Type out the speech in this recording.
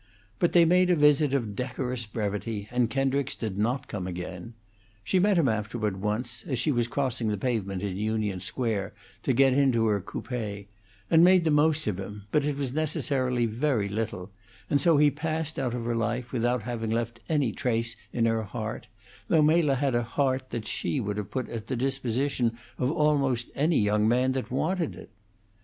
But they made a visit of decorous brevity, and Kendricks did not come again. She met him afterward, once, as she was crossing the pavement in Union Square to get into her coupe, and made the most of him; but it was necessarily very little, and so he passed out of her life without having left any trace in her heart, though Mela had a heart that she would have put at the disposition of almost any young man that wanted it.